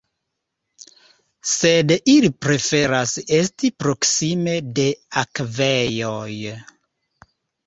Sed ili preferas esti proksime de akvejoj.